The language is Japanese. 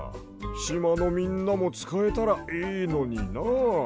しまのみんなもつかえたらいいのにな。